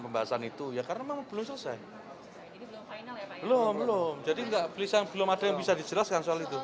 belum belum jadi belum ada yang bisa dijelaskan soal itu